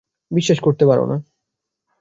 বিশ্বাস করতে পারো না!